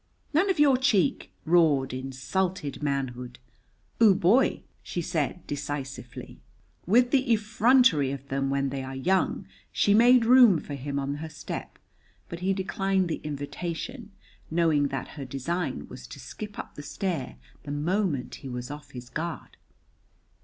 "None of your cheek!" roared insulted manhood. "Oo boy," she said, decisively. With the effrontery of them when they are young, she made room for him on her step, but he declined the invitation, knowing that her design was to skip up the stair the moment he was off his guard.